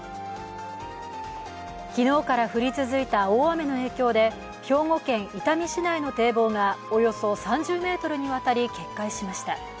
昨日から降り続いた大雨の影響で兵庫県伊丹市内の堤防がおよそ３０ｍにわたり決壊しました。